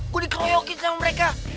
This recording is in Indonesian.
gua dikroyokin sama mereka